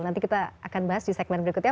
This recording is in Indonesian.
nanti kita akan bahas di segmen berikutnya